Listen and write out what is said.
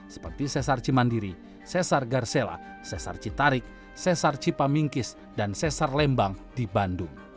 seperti sesar cimandiri sesar garsela sesar citarik sesar cipamingkis dan sesar lembang di bandung